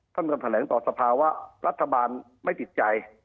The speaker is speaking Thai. ท่านกำแหน่งต่อทรภาวะรัฐบาลไม่ติดใจ